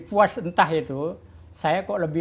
apakah dan apa halnya